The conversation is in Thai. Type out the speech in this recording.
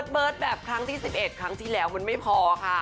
เบิร์ตแบบครั้งที่๑๑ครั้งที่แล้วมันไม่พอค่ะ